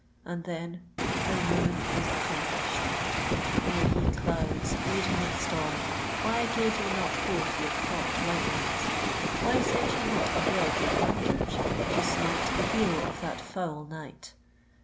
And then her ruin was accomplished. Oh! ye clouds, laden with storm, why gave ye not forth your forked lightnings—why sent ye not abroad your thunders—to smite the hero of that foul night?